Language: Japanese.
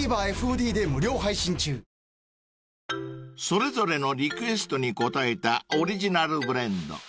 ［それぞれのリクエストに応えたオリジナルブレンド］